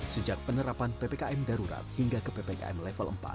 sejak penerapan ppkm darurat hingga ke ppkm level empat